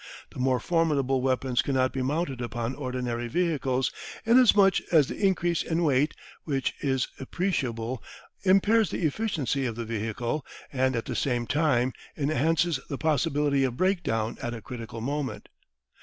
The more formidable weapons cannot be mounted upon ordinary vehicles, inasmuch as the increase in weight, which is appreciable, impairs the efficiency of the vehicle, and at the same time enhances the possibility of breakdown at a critical moment.